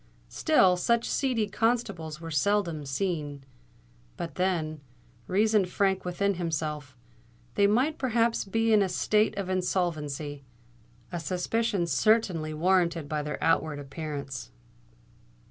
Still, such seedy constables were seldom seen: but then, reasoned Frank within himself, they might perhaps be in a state of insolvency—a suspicion certainly warranted by their outward appearance.